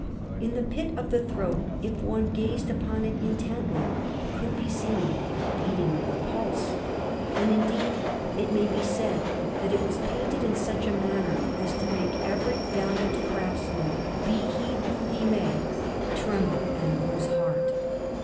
In the pit of the throat, if one gazed upon it intently, could be seen the beating of the pulse. And, indeed, it may be said that it was painted in such a manner as to make every valiant craftsman, be he who he may, tremble and lose heart.